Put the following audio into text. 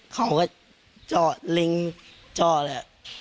เขาก็จอเร่งจอแหละ